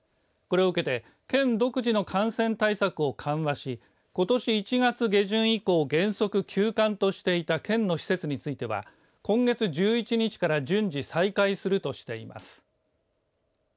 これを受けて県独自の感染対策を緩和しことし１月下旬以降原則休館としていた県の施設については今月１１日から順次再開するとしています。